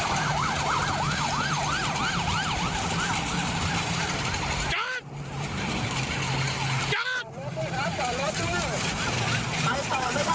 ใครจอดไม่ต้องแล้วจอดรถครับ